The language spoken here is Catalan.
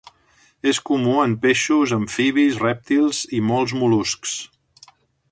És comú en peixos, amfibis, rèptils i molts mol·luscs.